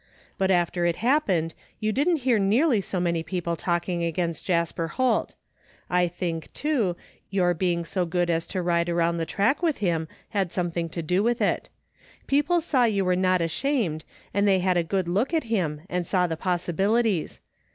But after it happened you didn't hear nearly so many people talking against Jasper Holt I think, too, your 256 it THE FINDING OF JASPER HOLT being so gcxxi as to ride around the track with him had something to do with it People saw you were not ashamed and they ihad a good look at him and saw, the possibilities.